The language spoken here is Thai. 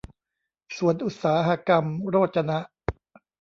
สวนอุตสาหกรรมโรจนะ